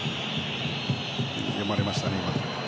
読まれましたね、今の。